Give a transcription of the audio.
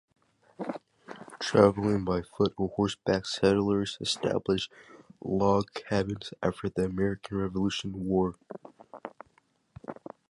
Traveling by foot or horseback, settlers established log cabins after the American Revolutionary War.